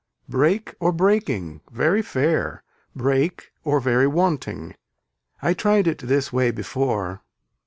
Break or breaking, very fair, break or very wanting. I tried it this way before.